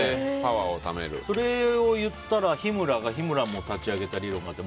それを言ったら日村も日村が立ち上げた理論があって。